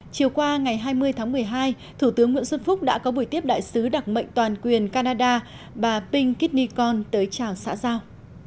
chiều qua ngày hai mươi tháng một mươi hai thủ tướng nguyễn xuân phúc đã có buổi tiếp đại sứ đặc mệnh toàn quyền canada bà ping kitnikon tới chào xã giao